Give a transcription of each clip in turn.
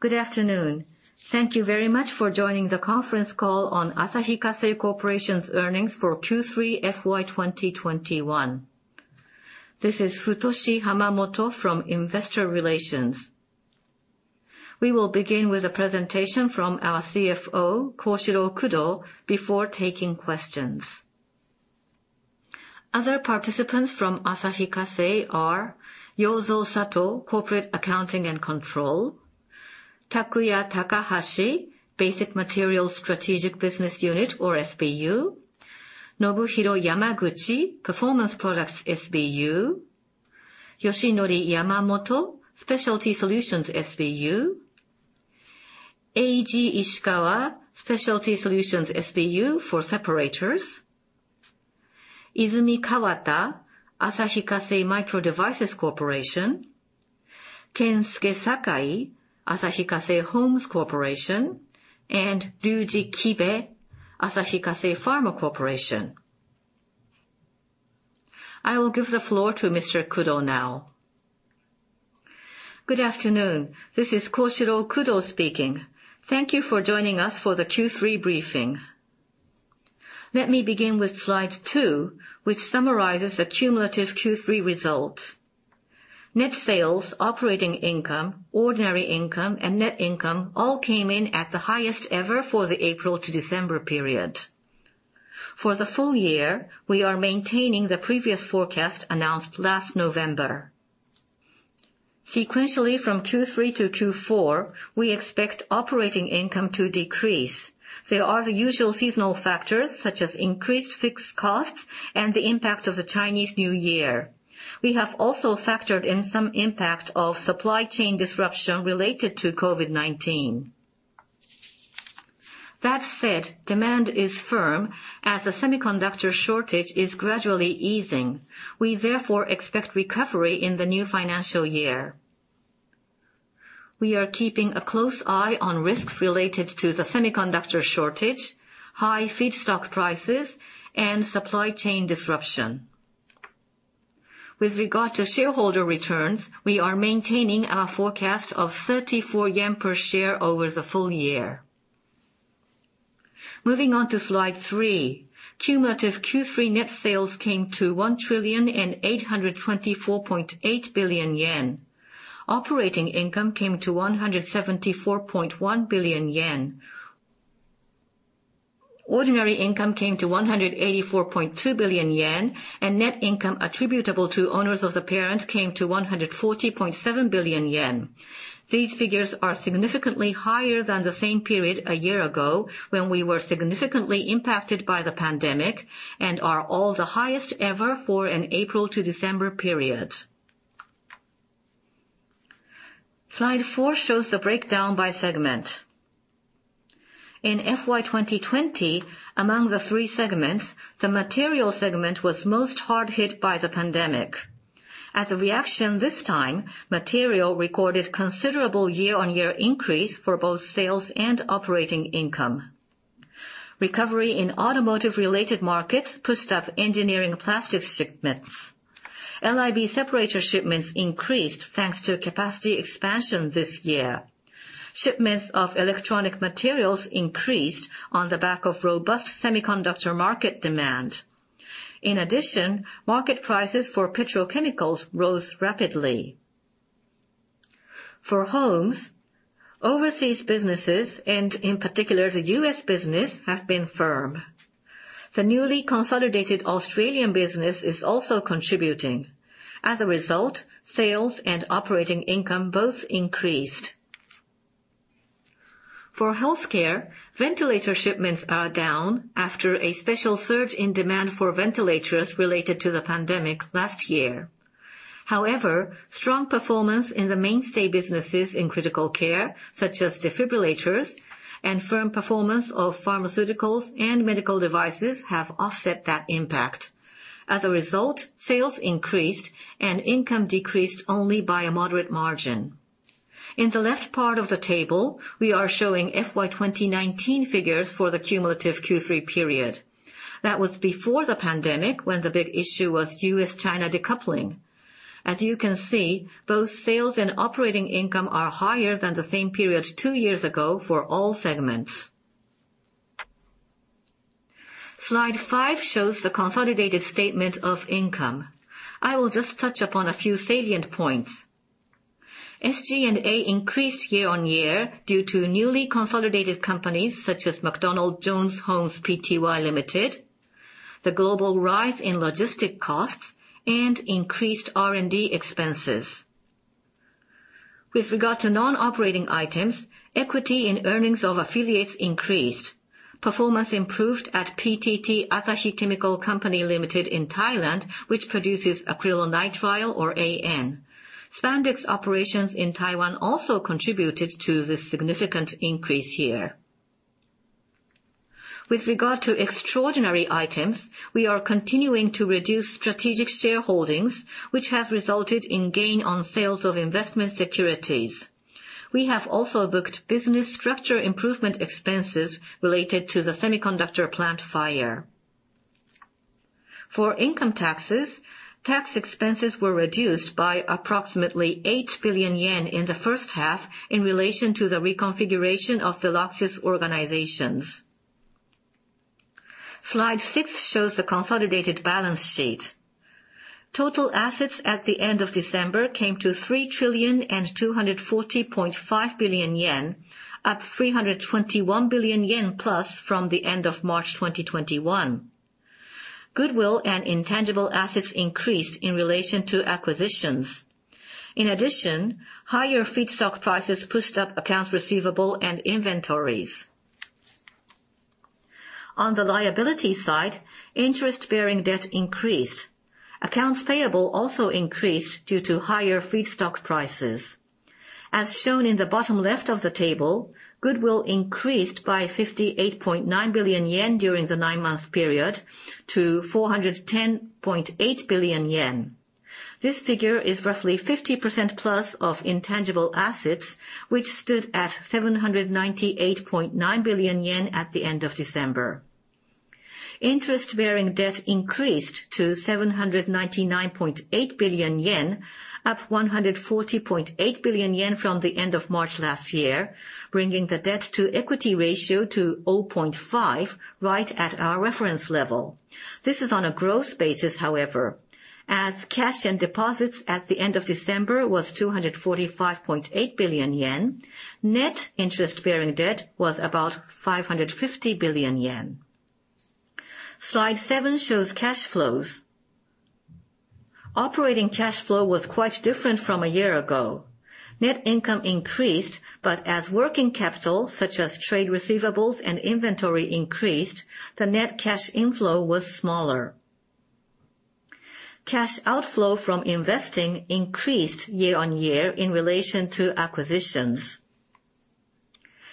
Good afternoon. Thank you very much for joining the conference call on Asahi Kasei Corporation'sEearnings for Q3 FY2021. This is Futoshi Hamamoto from Investor Relations. We will begin with a presentation from our CFO, Koshiro Kudo, before taking questions. Other participants from Asahi Kasei are Yozo Sato, Corporate Accounting & Control, Takuya Takahashi, Basic Materials Strategic Business Unit, or SBU, Nobuhiro Yamaguchi, Performance Products SBU, Yoshinori Yamamoto, Specialty Solutions SBU, Eiji Ishikawa, Specialty Solutions SBU for Separators, Izumi Kawata, Asahi Kasei Microdevices Corporation, Kensuke Sakai, Asahi Kasei Homes Corporation, and Ryuji Kibe, Asahi Kasei Pharma Corporation. I will give the floor to Mr. Kudo now. Good afternoon. This is Koshiro Kudo speaking. Thank you for joining us for the Q3 briefing. Let me begin with slide two, which summarizes the cumulative Q3 results. Net sales, operating income, ordinary income, and net income all came in at the highest ever for the April to December period. For the full year, we are maintaining the previous forecast announced last November. Sequentially from Q3 to Q4, we expect operating income to decrease. There are the usual seasonal factors, such as increased fixed costs and the impact of the Chinese New Year. We have also factored in some impact of supply chain disruption related to COVID-19. That said, demand is firm as the semiconductor shortage is gradually easing. We therefore expect recovery in the new financial year. We are keeping a close eye on risks related to the semiconductor shortage, high feedstock prices, and supply chain disruption. With regard to shareholder returns, we are maintaining our forecast of 34 yen per share over the full year. Moving on to slide three. Cumulative Q3 net sales came to 1,824.8 billion yen. Operating income came to 174.1 billion yen. Ordinary income came to 184.2 billion yen, and net income attributable to owners of the parent came to 140.7 billion yen. These figures are significantly higher than the same period a year ago, when we were significantly impacted by the pandemic, and are all the highest ever for an April to December period. Slide four shows the breakdown by segment. In FY 2020, among the three segments, the Material segment was most hard hit by the pandemic. As a reaction this time, Material recorded considerable year-on-year increase for both sales and operating income. Recovery in automotive related markets pushed up engineering plastics shipments. LIB separator shipments increased thanks to capacity expansion this year. Shipments of electronic materials increased on the back of robust semiconductor market demand. In addition, market prices for petrochemicals rose rapidly. For Homes, overseas businesses, and in particular the US business, have been firm. The newly consolidated Australian business is also contributing. As a result, sales and operating income both increased. For Healthcare, ventilator shipments are down after a special surge in demand for ventilators related to the pandemic last year. However, strong performance in the mainstay businesses in critical care, such as defibrillators, and firm performance of pharmaceuticals, and medical devices have offset that impact. As a result, sales increased and income decreased only by a moderate margin. In the left part of the table, we are showing FY 2019 figures for the cumulative Q3 period. That was before the pandemic, when the big issue was US-China decoupling. As you can see, both sales and operating income are higher than the same period two years ago for all segments. Slide five shows the consolidated statement of income. I will just touch upon a few salient points. SG&A increased year-on-year due to newly consolidated companies such as McDonald Jones Homes Pty Ltd, the global rise in logistic costs, and increased R&D expenses. With regard to non-operating items, equity and earnings of affiliates increased. Performance improved at PTT Asahi Chemical Company Limited in Thailand, which produces acrylonitrile, or AN. Spandex operations in Taiwan also contributed to the significant increase here. With regard to extraordinary items, we are continuing to reduce strategic shareholdings, which have resulted in gain on sales of investment securities. We have also booked business structure improvement expenses related to the semiconductor plant fire. For income taxes, tax expenses were reduced by approximately 8 billion yen in the first half in relation to the reconfiguration of Veloxis' organizations. Slide 6 shows the consolidated balance sheet. Total assets at the end of December came to 3,240.5 billion yen, up 321 billion yen+ from the end of March 2021. Goodwill and intangible assets increased in relation to acquisitions. In addition, higher feedstock prices pushed up accounts receivable and inventories. On the liability side, interest-bearing debt increased. Accounts payable also increased due to higher feedstock prices. As shown in the bottom left of the table, goodwill increased by 58.9 billion yen during the nine-month period to 410.8 billion yen. This figure is roughly 50% plus of intangible assets, which stood at 798.9 billion yen at the end of December. Interest bearing debt increased to 799.8 billion yen, up 140.8 billion yen from the end of March last year, bringing the debt to equity ratio to 0.5, right at our reference level. This is on a growth basis, however. As cash and deposits at the end of December was 245.8 billion yen, net interest bearing debt was about 550 billion yen. Slide seven shows cash flows. Operating cash flow was quite different from a year ago. Net income increased, but as working capital, such as trade receivables and inventory increased, the net cash inflow was smaller. Cash outflow from investing increased year-on-year in relation to acquisitions.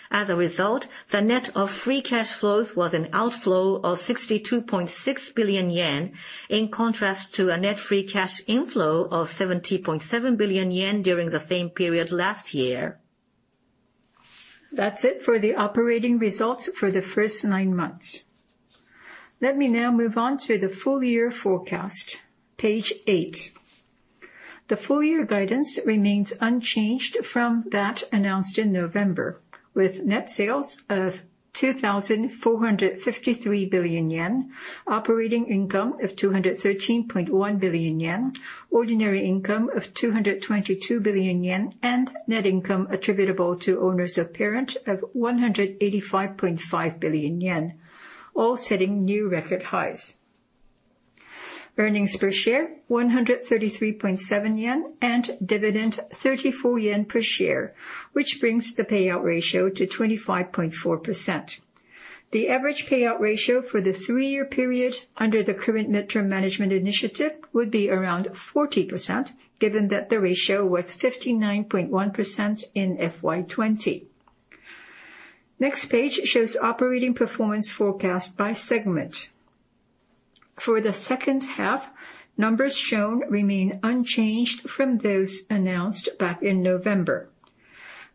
As a result, the net of free cash flows was an outflow of 62.6 billion yen, in contrast to a net free cash inflow of 70.7 billion yen during the same period last year. That's it for the operating results for the first nine months. Let me now move on to the full year forecast. Page eight. The full year guidance remains unchanged from that announced in November, with net sales of 2,453 billion yen, operating income of 213.1 billion yen, ordinary income of 222 billion yen, and net income attributable to owners of parent of 185.5 billion yen, all setting new record highs. Earnings per share 133.7 yen, and dividend 34 yen per share, which brings the payout ratio to 25.4%. The average payout ratio for the three-year period under the current midterm management initiative would be around 40%, given that the ratio was 59.1% in FY 2020. Next page shows operating performance forecast by segment. For the second half, numbers shown remain unchanged from those announced back in November.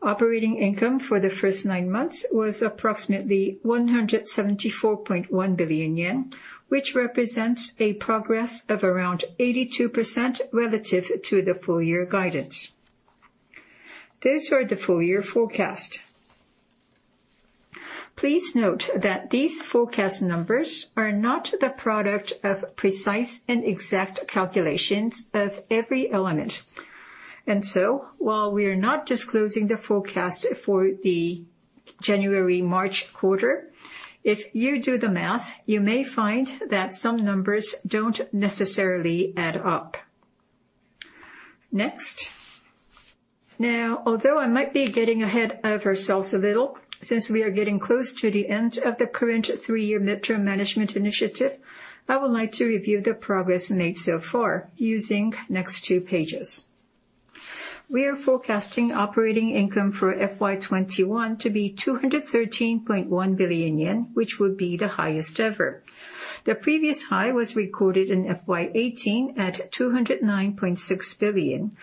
Operating income for the first nine months was approximately 174.1 billion yen, which represents a progress of around 82% relative to the full year guidance. Those are the full year forecast. Please note that these forecast numbers are not the product of precise and exact calculations of every element. While we are not disclosing the forecast for the January-March quarter, if you do the math, you may find that some numbers don't necessarily add up. Next. Now, although I might be getting ahead of ourselves a little, since we are getting close to the end of the current three-year midterm management initiative, I would like to review the progress made so far using next two pages. We are forecasting operating income for FY 2021 to be 213.1 billion yen, which would be the highest ever. The previous high was recorded in FY 2018 at JPY 209.6 billion,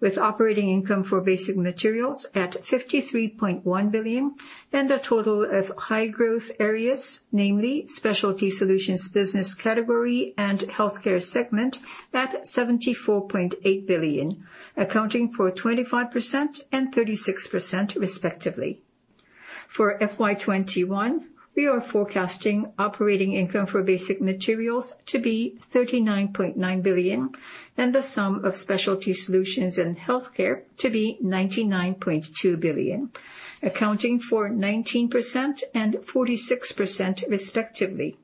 with operating income for basic materials at JPY 53.1 billion, and a total of high growth areas, namely Specialty Solutions business category and Healthcare segment at 74.8 billion, accounting for 25% and 36% respectively. For FY 2021, we are forecasting operating income for basic materials to be 39.9 billion, and the sum of Specialty Solutions and Healthcare to be 99.2 billion, accounting for 19% and 46% respectively,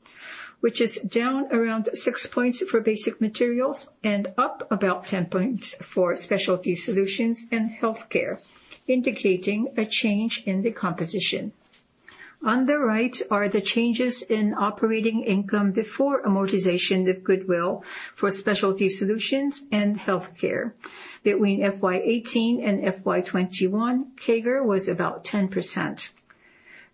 which is down around six points for basic materials and up about 10 points for Specialty Solutions and Healthcare, indicating a change in the composition. On the right are the changes in operating income before amortization of goodwill for Specialty Solutions and Healthcare. Between FY 2018 and FY 2021, CAGR was about 10%.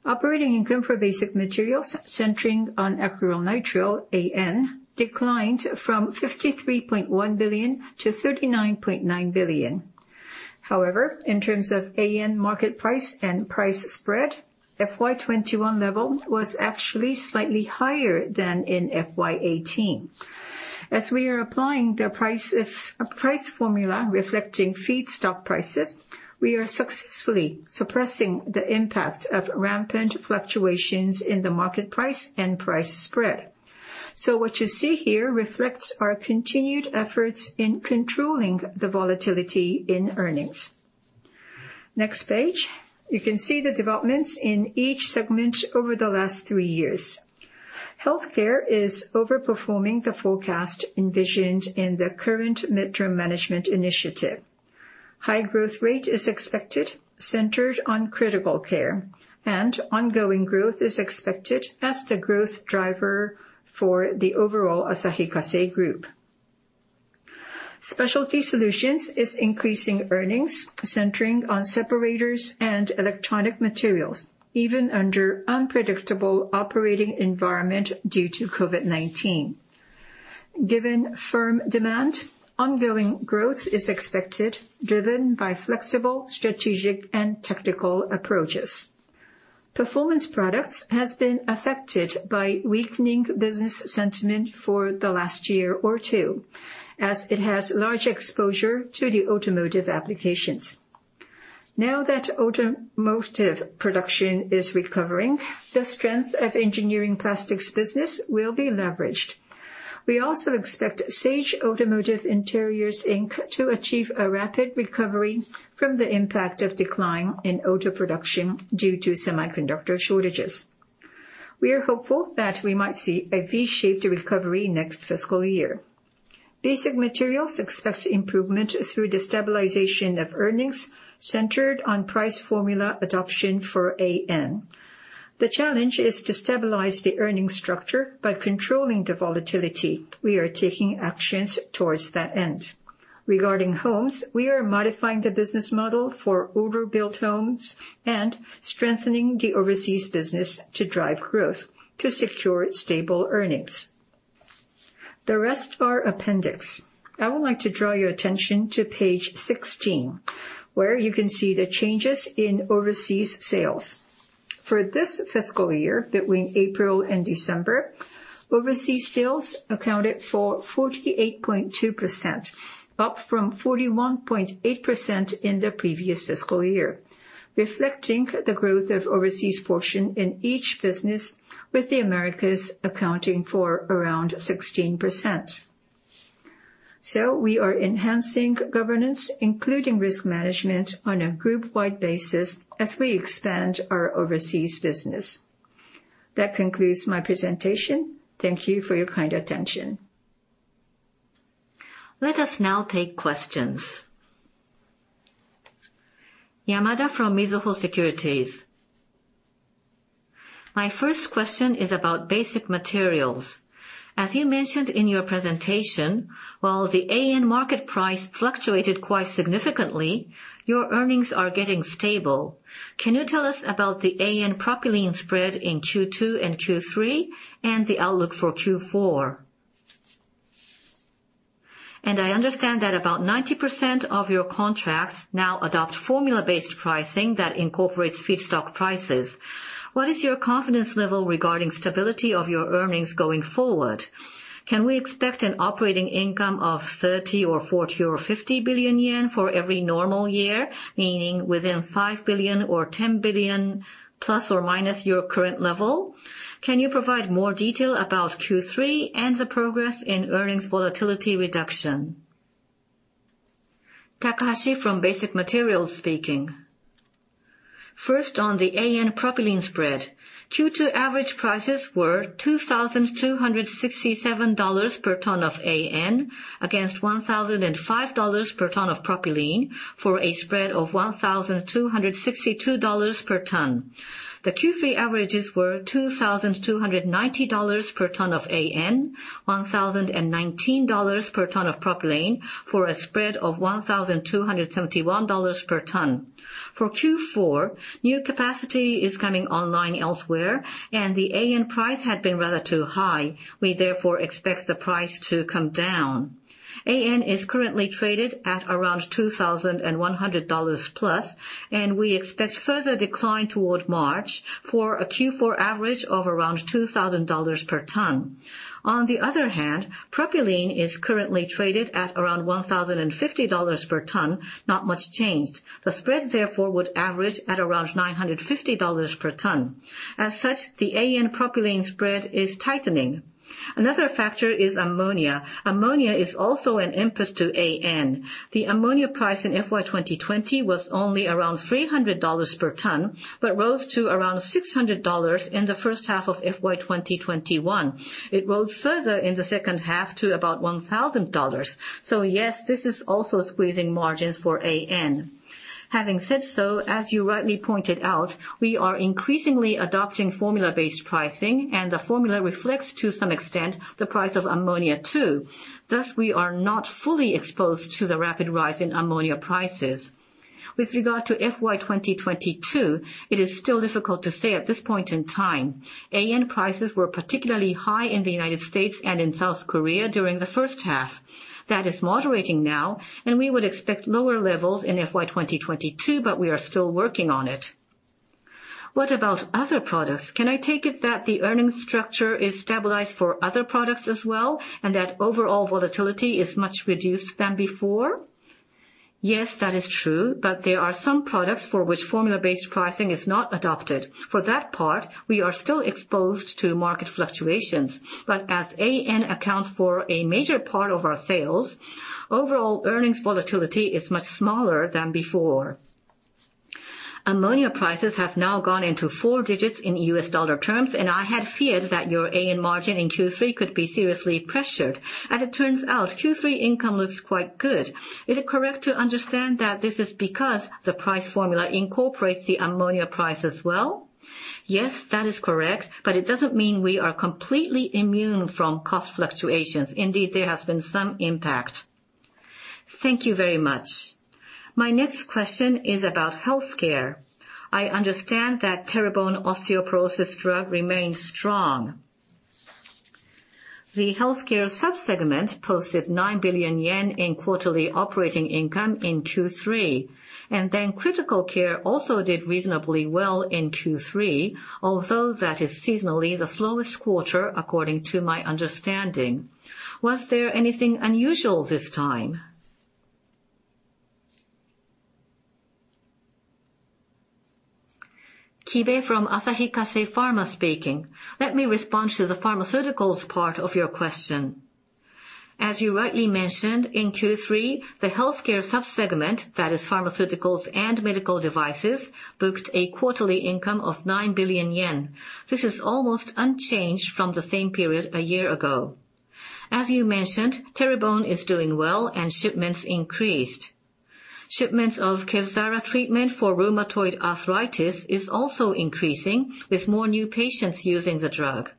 Operating income for basic materials centering on acrylonitrile, AN, declined from 53.1 billion-39.9 billion. However, in terms of AN market price and price spread, FY 2021 level was actually slightly higher than in FY 2018. As we are applying the price formula reflecting feedstock prices, we are successfully suppressing the impact of rampant fluctuations in the market price and price spread. What you see here reflects our continued efforts in controlling the volatility in earnings. Next page. You can see the developments in each segment over the last three years. Healthcare is overperforming the forecast envisioned in the current midterm management initiative. High growth rate is expected, centered on critical care, and ongoing growth is expected as the growth driver for the overall Asahi Kasei Group. Specialty Solutions is increasing earnings centering on separators and electronic materials, even under unpredictable operating environment due to COVID-19. Given firm demand, ongoing growth is expected, driven by flexible, strategic, and technical approaches. Performance Products has been affected by weakening business sentiment for the last year or two, as it has large exposure to the automotive applications. Now that automotive production is recovering, the strength of engineering plastics business will be leveraged. We also expect Sage Automotive Interiors Inc to achieve a rapid recovery from the impact of decline in auto production due to semiconductor shortages. We are hopeful that we might see a V-shaped recovery next fiscal year. Basic Materials expects improvement through the stabilization of earnings centered on price formula adoption for AN. The challenge is to stabilize the earnings structure by controlling the volatility. We are taking actions towards that end. Regarding Homes, we are modifying the business model for order-built homes and strengthening the overseas business to drive growth to secure stable earnings. The rest are appendix. I would like to draw your attention to page 16, where you can see the changes in overseas sales. For this fiscal year, between April and December, overseas sales accounted for 48.2%, up from 41.8% in the previous fiscal year, reflecting the growth of overseas portion in each business, with the Americas accounting for around 16%. We are enhancing governance, including risk management, on a group-wide basis as we expand our overseas business. That concludes my presentation. Thank you for your kind attention. Let us now take questions. Yamada from Mizuho Securities. My first question is about Basic Materials. As you mentioned in your presentation, while the AN market price fluctuated quite significantly, your earnings are getting stable. Can you tell us about the AN propylene spread in Q2 and Q3 and the outlook for Q4? I understand that about 90% of your contracts now adopt formula-based pricing that incorporates feedstock prices. What is your confidence level regarding stability of your earnings going forward? Can we expect an operating income of 30 billion or 40 billion or 50 billion yen for every normal year, meaning within 5 billion or 10 billion, plus or minus your current level? Can you provide more detail about Q3 and the progress in earnings volatility reduction? Takahashi from Basic Materials speaking. First, on the AN propylene spread, Q2 average prices were $2,267 per ton of AN against $1,005 per ton of propylene for a spread of $1,262 per ton. The Q3 averages were $2,290 per ton of AN, $1,019 per ton of propylene for a spread of $1,271 per ton. For Q4, new capacity is coming online elsewhere, and the AN price had been rather too high. We therefore expect the price to come down. AN is currently traded at around $2,100 plus, and we expect further decline toward March for a Q4 average of around $2,000 per ton. On the other hand, propylene is currently traded at around $1,050 per ton, not much changed. The spread therefore would average at around $950 per ton. As such, the AN propylene spread is tightening. Another factor is ammonia. Ammonia is also an input to AN. The ammonia price in FY 2020 was only around $300 per ton, but rose to around $600 in the first half of FY 2021. It rose further in the second half to about $1,000. This is also squeezing margins for AN. Having said so, as you rightly pointed out, we are increasingly adopting formula-based pricing, and the formula reflects to some extent the price of ammonia too. We are not fully exposed to the rapid rise in ammonia prices. With regard to FY 2022, it is still difficult to say at this point in time. AN prices were particularly high in the United States and in South Korea during the first half. That is moderating now, and we would expect lower levels in FY 2022, but we are still working on it. What about other products? Can I take it that the earnings structure is stabilized for other products as well, and that overall volatility is much reduced than before? Yes, that is true, but there are some products for which formula-based pricing is not adopted. For that part, we are still exposed to market fluctuations. As AN accounts for a major part of our sales, overall earnings volatility is much smaller than before. Ammonia prices have now gone into four digits in US dollar terms, and I had feared that your AN margin in Q3 could be seriously pressured. As it turns out, Q3 income looks quite good. Is it correct to understand that this is because the price formula incorporates the ammonia price as well? Yes, that is correct, but it doesn't mean we are completely immune from cost fluctuations. Indeed, there has been some impact. Thank you very much. My next question is about healthcare. I understand that Teribone osteoporosis drug remains strong. The healthcare sub-segment posted 9 billion yen in quarterly operating income in Q3, and then critical care also did reasonably well in Q3, although that is seasonally the slowest quarter, according to my understanding. Was there anything unusual this time? Kibe from Asahi Kasei Pharma speaking. Let me respond to the pharmaceuticals part of your question. As you rightly mentioned, in Q3, the healthcare sub-segment, that is pharmaceuticals and medical devices, booked a quarterly income of 9 billion yen. This is almost unchanged from the same period a year ago. As you mentioned, Teribone is doing well and shipments increased. Shipments of Kevzara treatment for rheumatoid arthritis is also increasing, with more new patients using the drug.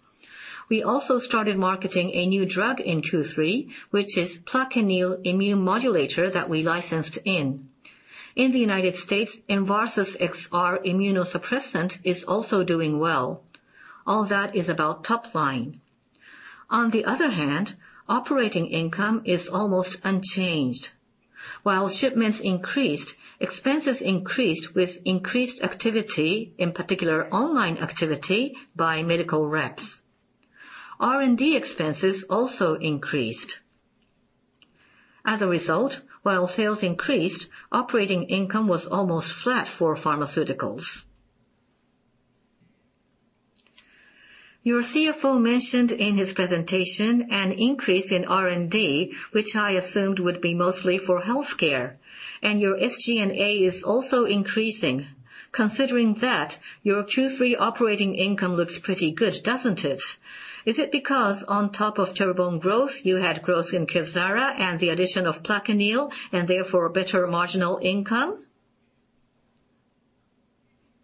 We also started marketing a new drug in Q3, which is Plaquenil immune modulator that we licensed in. In the United States, Envarsus XR immunosuppressant is also doing well. All that is about top line. On the other hand, operating income is almost unchanged. While shipments increased, expenses increased with increased activity, in particular online activity by medical reps. R&D expenses also increased. As a result, while sales increased, operating income was almost flat for pharmaceuticals. Your CFO mentioned in his presentation an increase in R&D, which I assumed would be mostly for healthcare, and your SG&A is also increasing. Considering that, your Q3 operating income looks pretty good, doesn't it? Is it because on top of Teribone growth, you had growth in Kevzara and the addition of Plaquenil, and therefore better marginal income?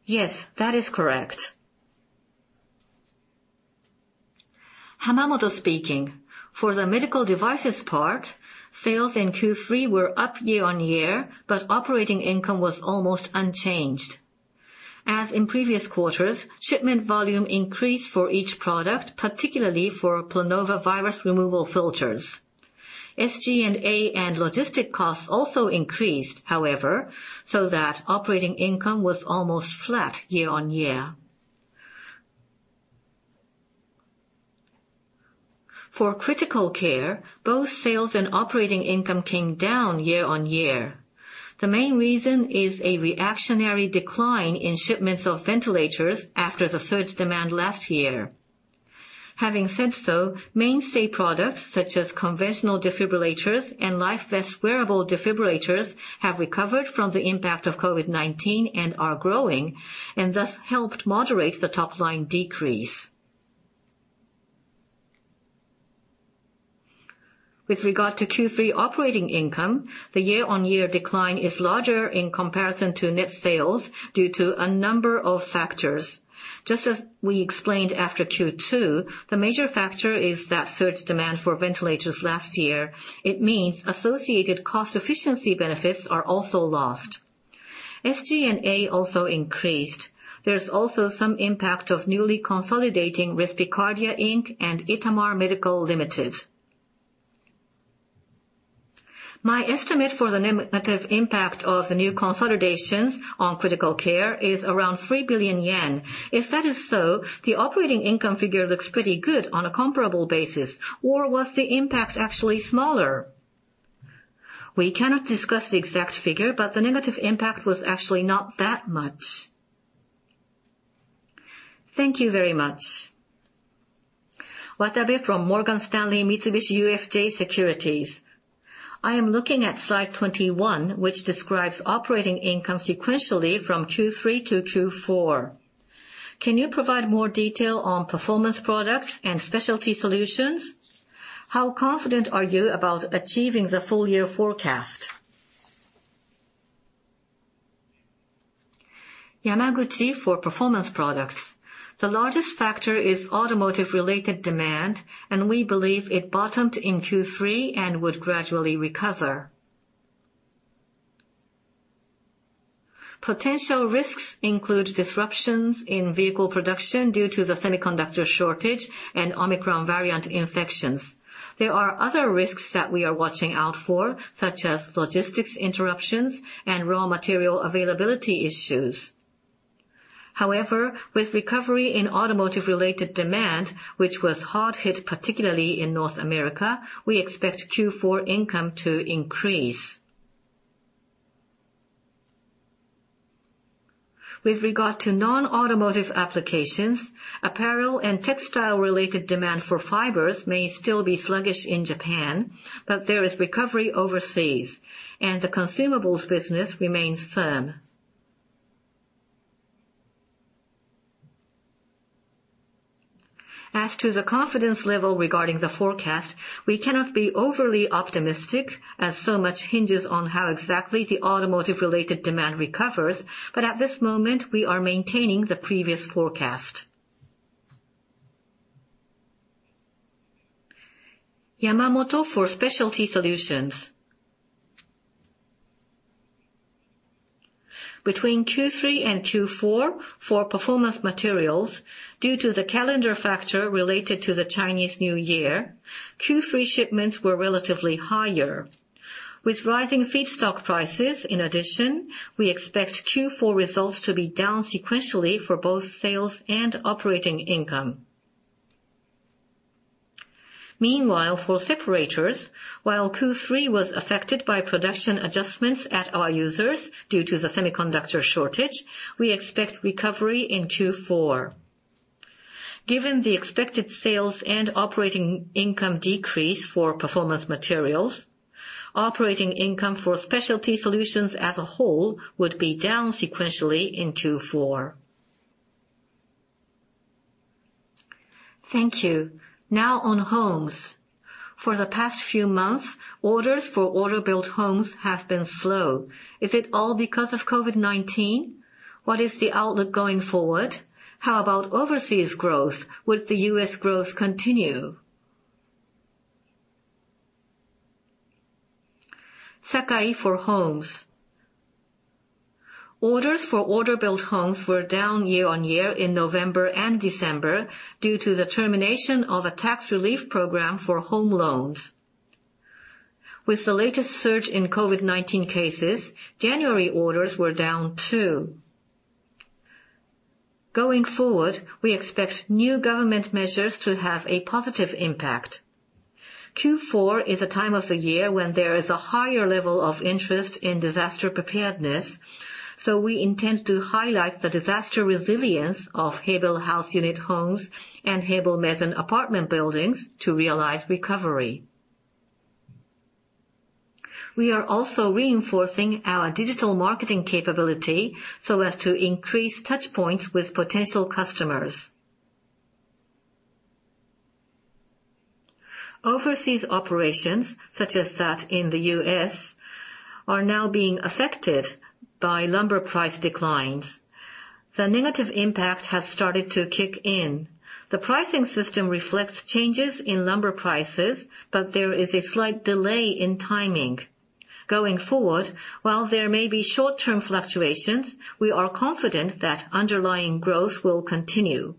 Yes, that is correct. For the medical devices part, sales in Q3 were up year-over-year, but operating income was almost unchanged. As in previous quarters, shipment volume increased for each product, particularly for Planova virus removal filters. SG&A and logistics costs also increased, however, so that operating income was almost flat year-over-year. For critical care, both sales and operating income came down year-over-year. The main reason is a reactionary decline in shipments of ventilators after the surged demand last year. Having said so, mainstay products such as conventional defibrillators and LifeVest wearable defibrillators have recovered from the impact of COVID-19 and are growing, and thus helped moderate the top-line decrease. With regard to Q3 operating income, the year-over-year decline is larger in comparison to net sales due to a number of factors. Just as we explained after Q2, the major factor is the surge demand for ventilators last year. It means associated cost efficiency benefits are also lost. SG&A also increased. There's also some impact of newly consolidating Respicardia, Inc and Itamar Medical Ltd. My estimate for the negative impact of the new consolidations on critical care is around 3 billion yen. If that is so, the operating income figure looks pretty good on a comparable basis. Or was the impact actually smaller? We cannot discuss the exact figure, but the negative impact was actually not that much. Thank you very much. Watanabe from Morgan Stanley MUFG Securities. I am looking at slide 21, which describes operating income sequentially from Q3 to-Q4. Can you provide more detail on Performance Products and Specialty Solutions? How confident are you about achieving the full year forecast? Yamaguchi for Performance Products. The largest factor is automotive-related demand, and we believe it bottomed in Q3 and would gradually recover. Potential risks include disruptions in vehicle production due to the semiconductor shortage and Omicron variant infections. There are other risks that we are watching out for, such as logistics interruptions and raw material availability issues. However, with recovery in automotive related demand, which was hard hit, particularly in North America, we expect Q4 income to increase. With regard to non-automotive applications, apparel and textile related demand for fibers may still be sluggish in Japan, but there is recovery overseas, and the consumables business remains firm. As to the confidence level regarding the forecast, we cannot be overly optimistic as so much hinges on how exactly the automotive related demand recovers. At this moment, we are maintaining the previous forecast. Yamamoto for Specialty Solutions. Between Q3 and Q4, for Performance Materials due to the calendar factor related to the Chinese New Year, Q3 shipments were relatively higher. With rising feedstock prices in addition, we expect Q4 results to be down sequentially for both sales and operating income. Meanwhile for separators, while Q3 was affected by production adjustments at our users due to the semiconductor shortage, we expect recovery in Q4. Given the expected sales and operating income decrease for Performance Materials, operating income for Specialty Solutions as a whole would be down sequentially in Q4. Thank you. Now on homes. For the past few months, orders for order-built homes have been slow. Is it all because of COVID-19? What is the outlook going forward? How about overseas growth? Will the US growth continue? Sakai for Homes. Orders for order-built homes were down year-on-year in November and December due to the termination of a tax relief program for home loans. With the latest surge in COVID-19 cases, January orders were down too. Going forward, we expect new government measures to have a positive impact. Q4 is a time of the year when there is a higher level of interest in disaster preparedness, so we intend to highlight the disaster resilience of Hebel Haus unit homes and Hebel Maison apartment buildings to realize recovery. We are also reinforcing our digital marketing capability so as to increase touch points with potential customers. Overseas operations such as that in the US are now being affected by lumber price declines. The negative impact has started to kick in. The pricing system reflects changes in lumber prices, but there is a slight delay in timing. Going forward, while there may be short-term fluctuations, we are confident that underlying growth will continue.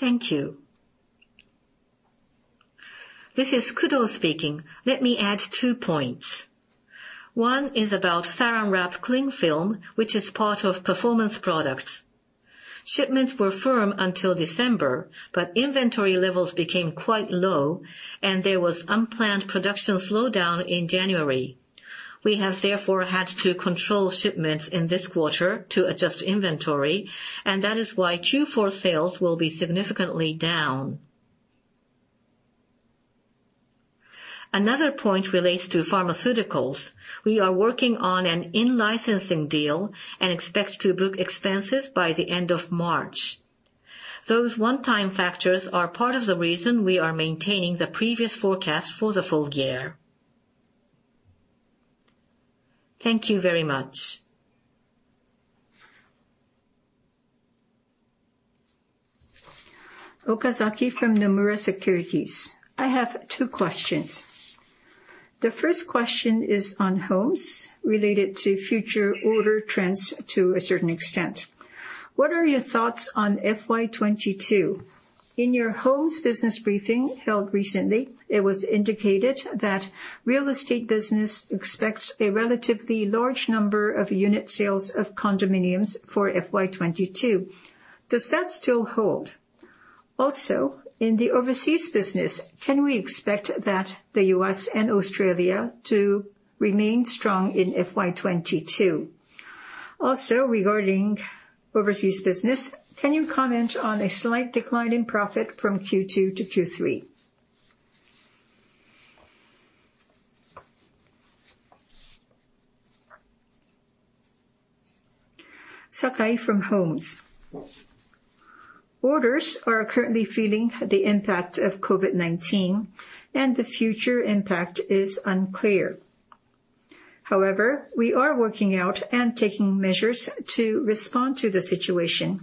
Thank you. This is Kudo speaking. Let me add two points. One is about Saran Wrap cling film, which is part of performance products. Shipments were firm until December, but inventory levels became quite low and there was unplanned production slowdown in January. We have therefore had to control shipments in this quarter to adjust inventory, and that is why Q4 sales will be significantly down. Another point relates to pharmaceuticals. We are working on an in-licensing deal and expect to book expenses by the end of March. Those one-time factors are part of the reason we are maintaining the previous forecast for the full year. Thank you very much. Okazaki from Nomura Securities Co., Ltd. I have two questions. The first question is on homes related to future order trends to a certain extent. What are your thoughts on FY 2022? In your homes business briefing held recently, it was indicated that real estate business expects a relatively large number of unit sales of condominiums for FY 2022. Does that still hold? Also, in the overseas business, can we expect that the U.S. and Australia to remain strong in FY 2022? Also, regarding overseas business, can you comment on a slight decline in profit from Q2 to Q3? Sakai from Homes. Orders are currently feeling the impact of COVID-19, and the future impact is unclear. However, we are working out and taking measures to respond to the situation,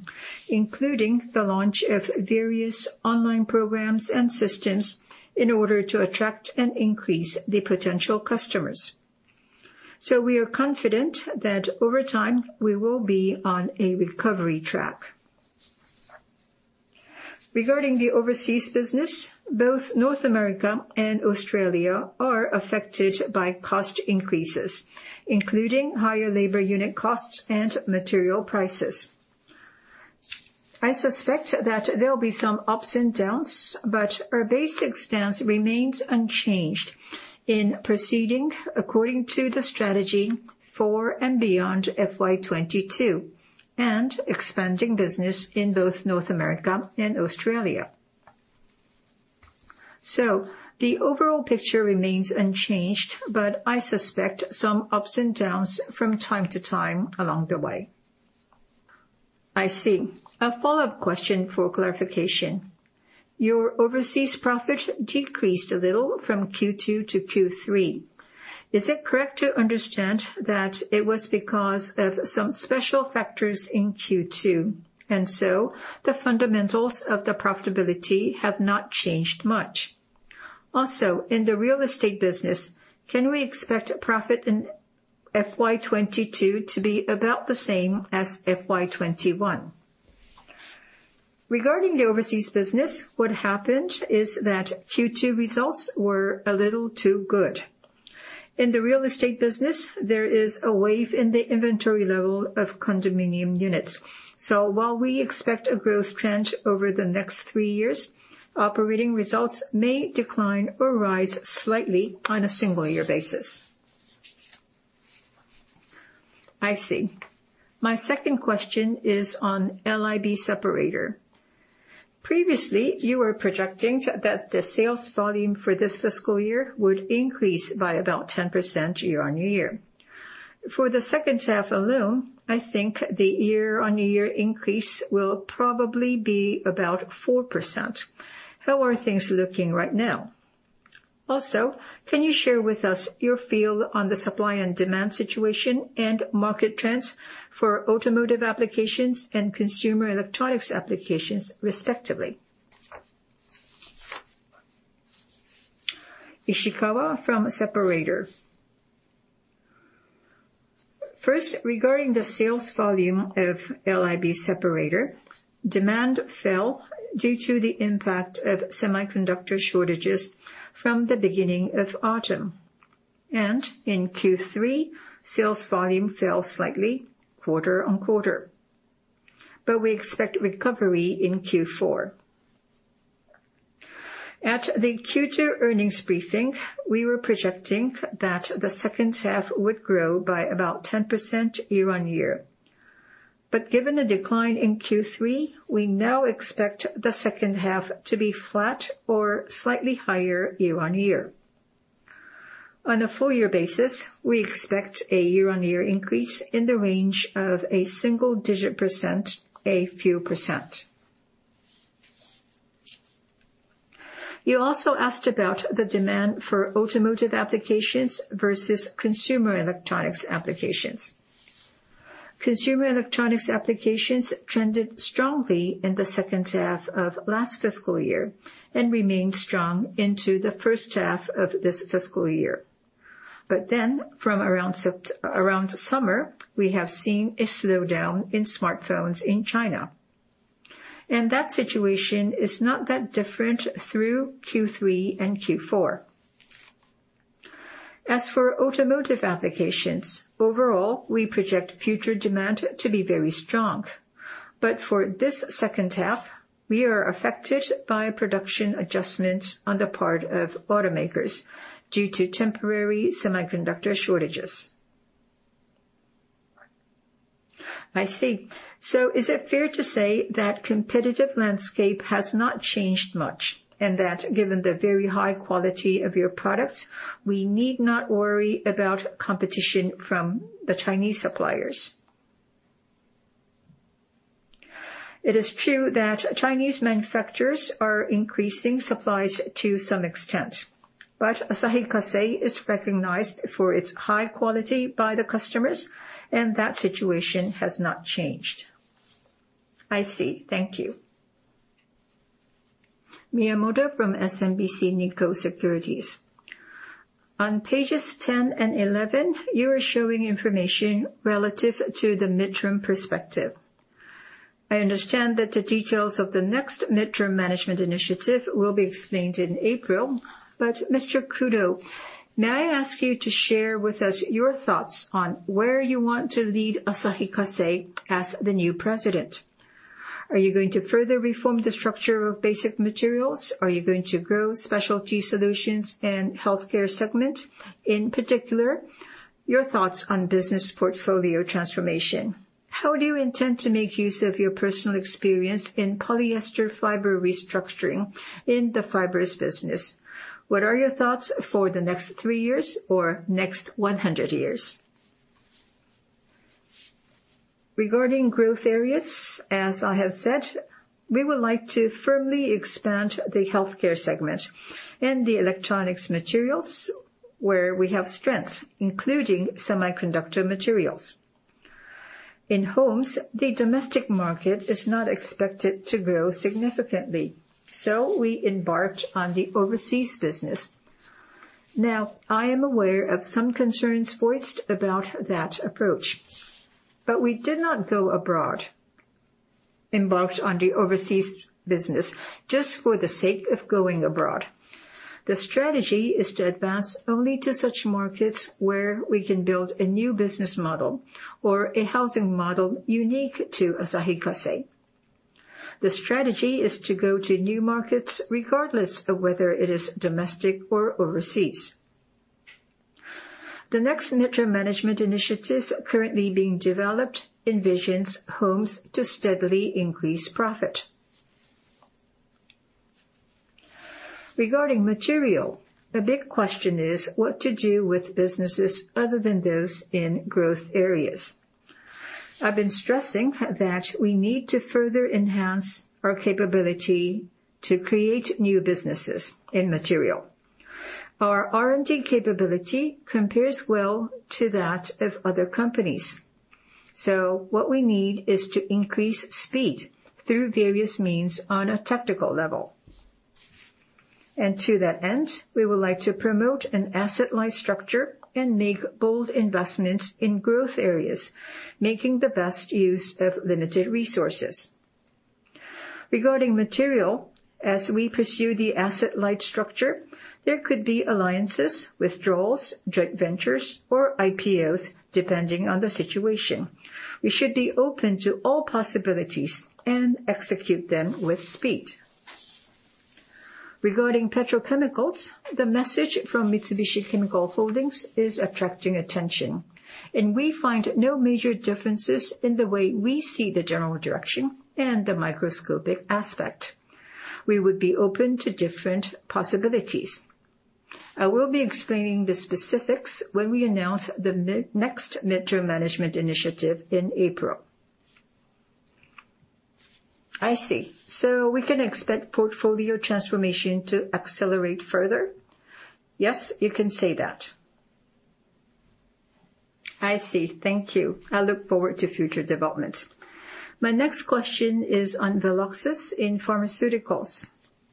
including the launch of various online programs and systems in order to attract and increase the potential customers. We are confident that over time we will be on a recovery track. Regarding the overseas business, both North America and Australia are affected by cost increases, including higher labor unit costs and material prices. I suspect that there will be some ups and downs, but our basic stance remains unchanged in proceeding according to the strategy for and beyond FY 2022, and expanding business in both North America and Australia. The overall picture remains unchanged, but I suspect some ups and downs from time to time along the way. I see. A follow-up question for clarification. Your overseas profit decreased a little from Q2 to Q3. Is it correct to understand that it was because of some special factors in Q2, and so the fundamentals of the profitability have not changed much? Also, in the real estate business, can we expect profit in FY 2022 to be about the same as FY 2021? Regarding the overseas business, what happened is that Q2 results were a little too good. In the real estate business, there is a wave in the inventory level of condominium units. While we expect a growth trend over the next three years, operating results may decline or rise slightly on a single year basis. I see. My 2nd question is on LIB separator. Previously, you were projecting that the sales volume for this fiscal year would increase by about 10% year-on-year. For the second half alone, I think the year-on-year increase will probably be about 4%. How are things looking right now? Also, can you share with us your feel on the supply and demand situation and market trends for automotive applications and consumer electronics applications respectively? Ishikawa from Separator. First, regarding the sales volume of LIB separator, demand fell due to the impact of semiconductor shortages from the beginning of autumn. In Q3, sales volume fell slightly quarter-on-quarter. We expect recovery in Q4. At the Q2 earnings briefing, we were projecting that the second half would grow by about 10% year-on-year. Given a decline in Q3, we now expect the second half to be flat or slightly higher year-on-year. On a full-year basis, we expect a year-on-year increase in the range of a single-digit percent, a few percent. You also asked about the demand for automotive applications versus consumer electronics applications. Consumer electronics applications trended strongly in the second half of last fiscal year and remained strong into the first half of this fiscal year. From around summer, we have seen a slowdown in smartphones in China. That situation is not that different through Q3 and Q4. As for automotive applications, overall, we project future demand to be very strong. For this second half, we are affected by production adjustments on the part of automakers due to temporary semiconductor shortages. I see. Is it fair to say that competitive landscape has not changed much, and that given the very high quality of your products, we need not worry about competition from the Chinese suppliers? It is true that Chinese manufacturers are increasing supplies to some extent? Asahi Kasei is recognized for its high quality by the customers, and that situation has not changed. I see. Thank you. Miyamoto from SMBC Nikko Securities. On pages 10 and 11, you are showing information relative to the midterm perspective. I understand that the details of the next midterm management initiative will be explained in April. Mr. Kudo, may I ask you to share with us your thoughts on where you want to lead Asahi Kasei as the new president. Are you going to further reform the structure of basic materials? Are you going to grow Specialty Solutions and Healthcare segment? In particular, your thoughts on business portfolio transformation. How do you intend to make use of your personal experience in polyester fiber restructuring in the fibrous business? What are your thoughts for the next three years or next 100 years? Regarding growth areas, as I have said, we would like to firmly expand the Healthcare segment and the electronics materials where we have strengths, including semiconductor materials. In Homes, the domestic market is not expected to grow significantly, so we embarked on the overseas business. Now, I am aware of some concerns voiced about that approach, but we did not go abroad, embarked on the overseas business just for the sake of going abroad. The strategy is to advance only to such markets where we can build a new business model or a housing model unique to Asahi Kasei. The strategy is to go to new markets regardless of whether it is domestic or overseas. The next midterm management initiative currently being developed envisions Homes to steadily increase profit. Regarding Material, the big question is what to do with businesses other than those in growth areas. I've been stressing that we need to further enhance our capability to create new businesses in Material. Our R&D capability compares well to that of other companies. What we need is to increase speed through various means on a technical level. To that end, we would like to promote an asset-light structure and make bold investments in growth areas, making the best use of limited resources. Regarding material, as we pursue the asset-light structure, there could be alliances, withdrawals, joint ventures, or IPOs, depending on the situation. We should be open to all possibilities and execute them with speed. Regarding petrochemicals, the message from Mitsubishi Chemical Group Corporation is attracting attention, and we find no major differences in the way we see the general direction and the microscopic aspect. We would be open to different possibilities. I will be explaining the specifics when we announce the medium-term, next midterm management initiative in April. I see. We can expect portfolio transformation to accelerate further? Yes, you can say that. I see. Thank you. I look forward to future developments. My next question is on Veloxis in pharmaceuticals.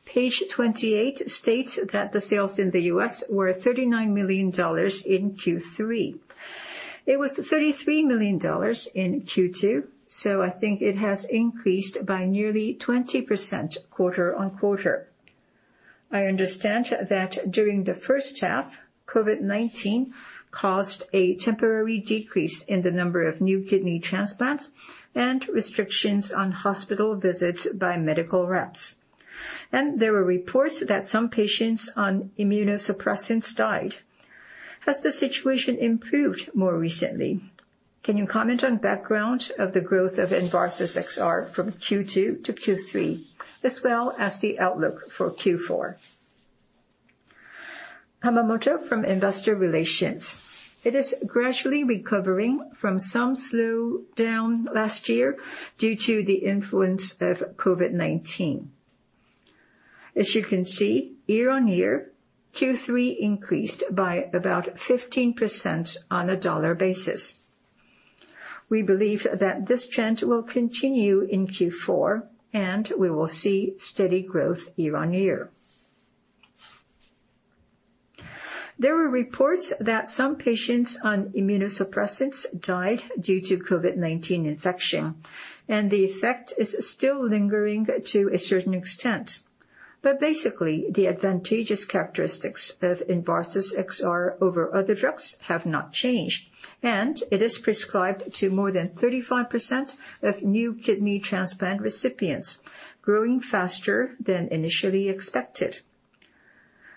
Page 28 states that the sales in the US were $39 million in Q3. It was $33 million in Q2, so I think it has increased by nearly 20% quarter-on-quarter. I understand that during the first half, COVID-19 caused a temporary decrease in the number of new kidney transplants and restrictions on hospital visits by medical reps. There were reports that some patients on immunosuppressants died. Has the situation improved more recently? Can you comment on background of the growth of Envarsus XR from Q2-Q3, as well as the outlook for Q4? Hamamoto from Investor Relations. It is gradually recovering from some slowdown last year due to the influence of COVID-19. As you can see, year-on-year, Q3 increased by about 15% on a dollar basis. We believe that this trend will continue in Q4, and we will see steady growth year on year. There were reports that some patients on immunosuppressants died due to COVID-19 infection, and the effect is still lingering to a certain extent. Basically, the advantageous characteristics of Envarsus XR over other drugs have not changed, and it is prescribed to more than 35% of new kidney transplant recipients, growing faster than initially expected.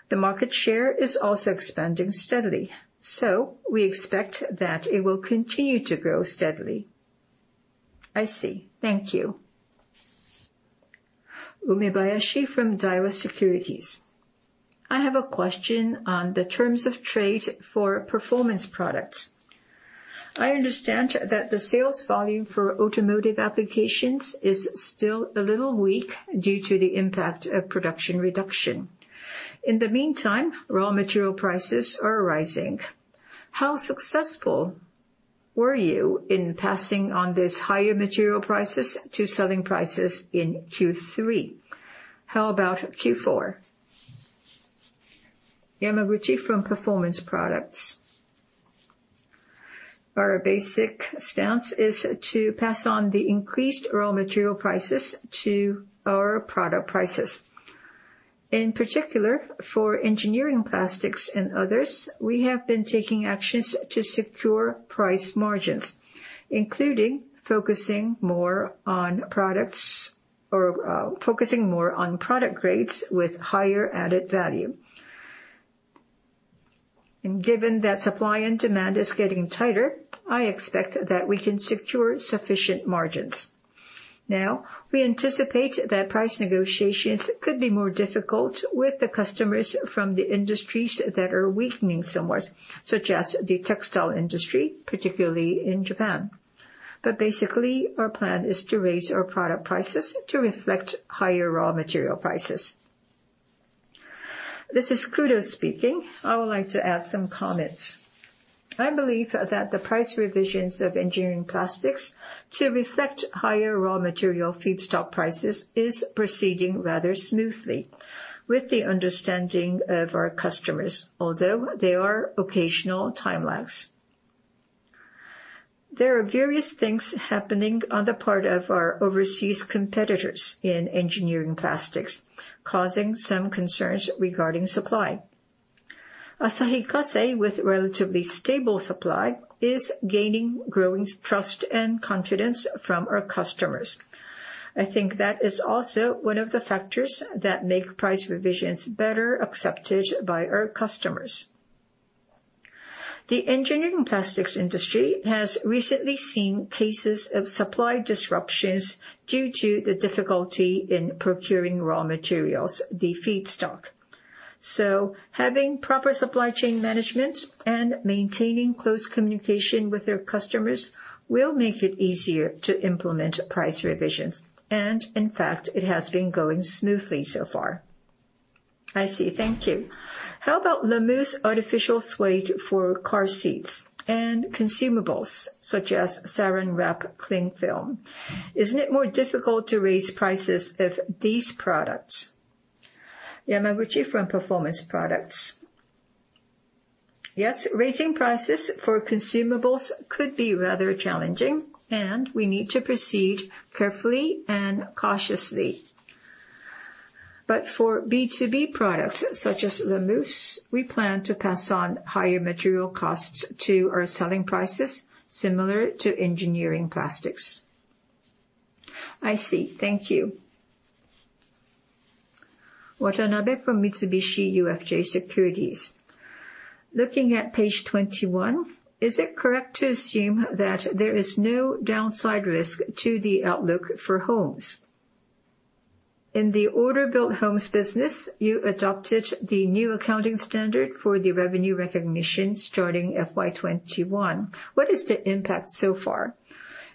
The market share is also expanding steadily, so we expect that it will continue to grow steadily. I see. Thank you. Umebayashi from Daiwa Securities. I have a question on the terms of trade for performance products. I understand that the sales volume for automotive applications is still a little weak due to the impact of production reduction. In the meantime, raw material prices are rising. How successful were you in passing on this higher material prices to selling prices in Q3? How about Q4? Yamaguchi from Performance Products. Our basic stance is to pass on the increased raw material prices to our product prices. In particular, for engineering plastics and others, we have been taking actions to secure price margins, including focusing more on product grades with higher added value. Given that supply and demand is getting tighter, I expect that we can secure sufficient margins. Now, we anticipate that price negotiations could be more difficult with the customers from the industries that are weakening somewhat, such as the textile industry, particularly in Japan. Basically, our plan is to raise our product prices to reflect higher raw material prices. This is Kudo speaking. I would like to add some comments. I believe that the price revisions of engineering plastics to reflect higher raw material feedstock prices is proceeding rather smoothly with the understanding of our customers, although there are occasional time lapse. There are various things happening on the part of our overseas competitors in engineering plastics, causing some concerns regarding supply. Asahi Kasei, with relatively stable supply, is gaining growing trust and confidence from our customers. I think that is also one of the factors that make price revisions better accepted by our customers. The engineering plastics industry has recently seen cases of supply disruptions due to the difficulty in procuring raw materials, the feedstock. Having proper supply chain management and maintaining close communication with their customers will make it easier to implement price revisions. In fact, it has been going smoothly so far. I see. Thank you. How about Lamous artificial suede for car seats and consumables, such as Saran Wrap cling film? Isn't it more difficult to raise prices of these products? Yamaguchi from Performance Products. Yes, raising prices for consumables could be rather challenging, and we need to proceed carefully and cautiously. But for B2B products, such as Lamous, we plan to pass on higher material costs to our selling prices, similar to engineering plastics. I see. Thank you. Watanabe from Mitsubishi UFJ Securities. Looking at page 21, is it correct to assume that there is no downside risk to the outlook for homes? In the order-built homes business, you adopted the new accounting standard for the revenue recognition starting FY 2021. What is the impact so far?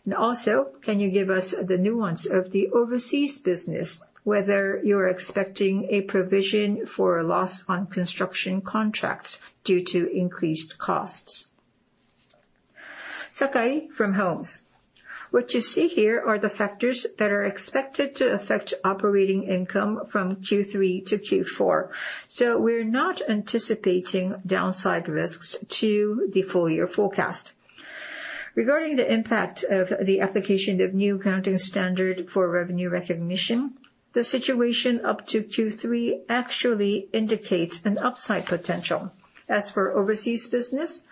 And also, can you give us the nuance of the overseas business, whether you're expecting a provision for loss on construction contracts due to increased costs? Sakai from Homes. What you see here are the factors that are expected to affect operating income from Q3-Q4, so we're not anticipating downside risks to the full year forecast. Regarding the impact of the application of new accounting standard for revenue recognition, the situation up to Q3 actually indicates an upside potential. As for overseas business,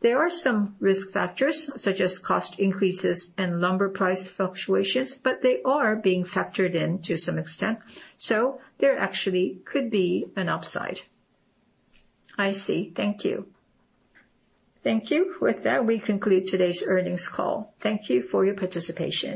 there are some risk factors, such as cost increases and lumber price fluctuations, but they are being factored in to some extent, so there actually could be an upside. I see. Thank you. Thank you. With that, we conclude today's earnings call. Thank you for your participation.